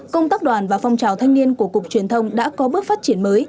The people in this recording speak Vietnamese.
công tác đoàn và phong trào thanh niên của cục truyền thông đã có bước phát triển mới